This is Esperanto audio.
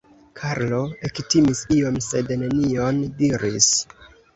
Karlo ektimis iom sed nenion diris.